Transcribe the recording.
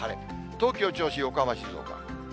東京、銚子、横浜、静岡。